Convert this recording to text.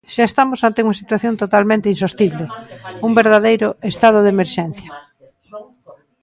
"Xa estamos ante unha situación totalmente insostible", un verdadeiro "estado de emerxencia".